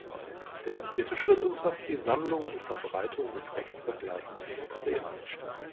Der vierte Schritt umfasst die Sammlung und Verbreitung des rechtsvergleichenden Materials.